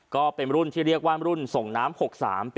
ก็เป็นรุ่นที่เรียกว่ารุ่นส่งน้ำ๖๓ปี